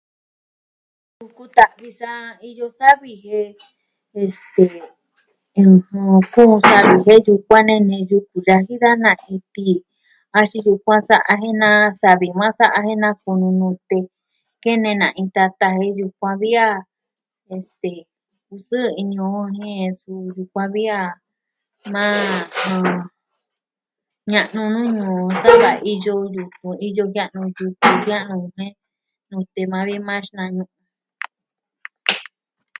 u kuta'vi sa iyo savi jen... este, ɨjɨn, kuun savi jen yukuan nee neyu ku da jin na kitɨ axin yukuan sa'a jen na savi maa sa'a jen na kunu nute, kene na'i tata jen yukuan vi a, este, kusɨɨ ini o jen suu vi kuaan vi a maa jɨn... ña'nu ñuu nuu o sa'a da iyo yukuan iyo jia'nu, yutun jia'nu jen nute maa vi maa xina'ñu.